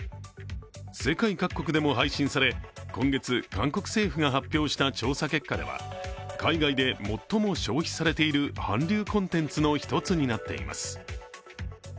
世界各国でも配信され今月韓国政府が発表した調査結果では海外で最も消費されている韓流コンテンツの１つになっています。